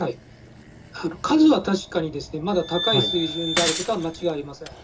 数は確かに、まだ高い水準であることは間違いありません。